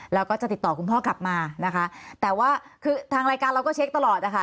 แล้วก็จะติดต่อคุณพ่อกลับมานะคะแต่ว่าคือทางรายการเราก็เช็คตลอดนะคะ